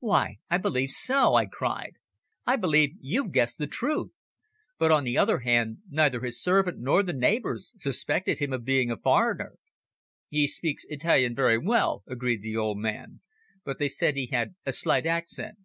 "Why I believe so!" I cried. "I believe you've guessed the truth! But on the other hand, neither his servant nor the neighbours suspected him of being a foreigner." "He speaks Italian very well," agreed the old man, "but they said he had a slight accent."